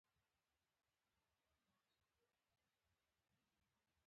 کتابونه د پوهې لوی سمندر دی.